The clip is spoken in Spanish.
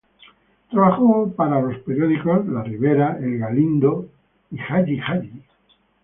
Trabajó para los periódicos "La Ribera", "El Galindo" y "Jagi-Jagi".